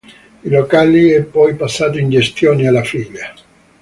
Il locale è poi passato in gestione alla figlia.